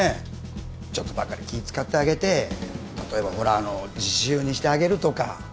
ちょっとばかり気ぃ使ってあげて例えばほらあのう自習にしてあげるとか。